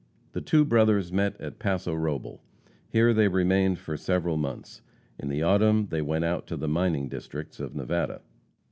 The two brothers met at Paso Robel. Here they remained for several months. In the autumn they went out to the mining districts of Nevada.